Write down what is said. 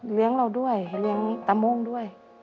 เลี้ยงเราด้วยเลี้ยงตามงด้วย